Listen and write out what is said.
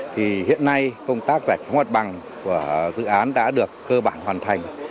thì hiện nay công tác giải phóng hoạt bằng của dự án đã được cơ bản hoàn thành